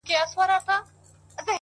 د زړه روڼتیا د ژوند ښکلا زیاتوي!